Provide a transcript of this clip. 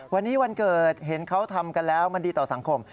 วันนี้วันเกิดเห็นเขาทำกันแล้วมันดีต่อสังคม